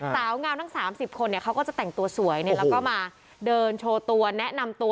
สาวงามทั้ง๓๐คนเขาก็จะแต่งตัวสวยแล้วก็มาเดินโชว์ตัวแนะนำตัว